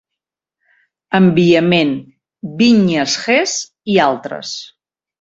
Enviament, vinyes Hess i altres.